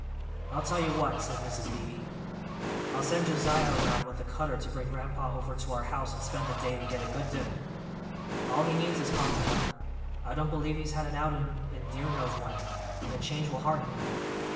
"I tell you what," said Mrs. Beebe. "I'll send Josiah around with the cutter to bring grand'pa over to our house to spend the day and get a good dinner. All he needs is cockerin' up; I don't believe he's had an outing in dear knows when, and a change will hearten him.